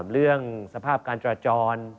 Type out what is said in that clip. เรื่องสภาพการจราจร